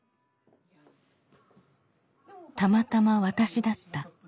「たまたま私だった」。